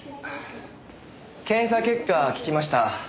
検査結果聞きました。